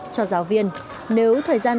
cho giáo viên